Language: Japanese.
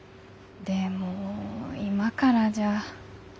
でも今からじゃ。